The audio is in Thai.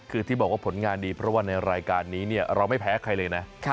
คือที่บอกว่าผลงานดีเพราะว่าในรายการนี้เราไม่แพ้ใครเลยนะ